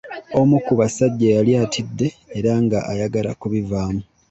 Omu ku basajja yali atidde era nga ayagala ku bivaamu.